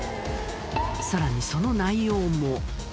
さらに、その内容も。